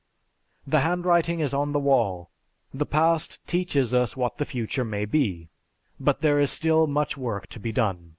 The handwriting is on the wall; the past teaches us what the future may be, but there is still much work to be done.